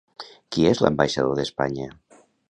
Qui és l'ambaixador d'Espanya?